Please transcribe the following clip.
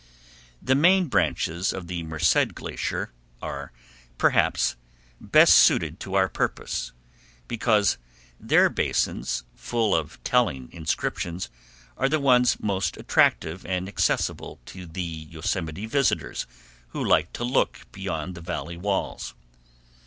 The main branches of the Merced Glacier are, perhaps, best suited to our purpose, because their basins, full of telling inscriptions, are the ones most attractive and accessible to the Yosemite visitors who like to look beyond the valley walls.